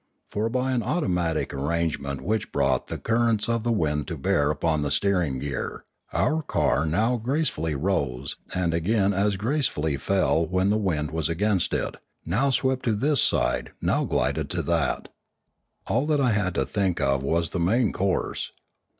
For by an auto matic arrangement which brought the currents of the wind to bear upon the steering gear, our car now grace fully rose, and again as gracefully fell when the wind was against it, now swept to this side, now glided to that. All that I had to think of was the main course.